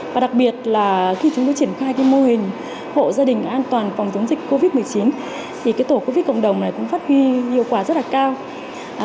và đặc biệt là khi chúng tôi triển khai cái mô hình hộ gia đình an toàn phòng chống dịch covid một mươi chín thì cái tổ covid cộng đồng này cũng phát huy hiệu quả rất là cao